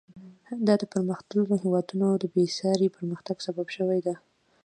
دا د پرمختللو هېوادونو د بېساري پرمختګ سبب شوې ده.